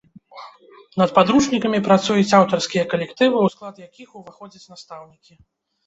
Над падручнікамі працуюць аўтарскія калектывы, у склад якіх уваходзяць настаўнікі.